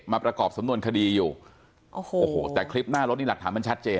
ประกอบสำนวนคดีอยู่โอ้โหโอ้โหแต่คลิปหน้ารถนี่หลักฐานมันชัดเจน